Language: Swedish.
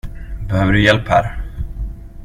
Behöver du hjälp här?